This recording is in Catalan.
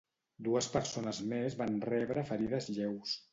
Dues persones més van rebre ferides lleus.